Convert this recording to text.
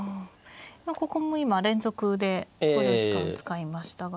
ここも今連続で考慮時間使いましたが。